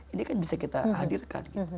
ini kan bisa kita hadirkan gitu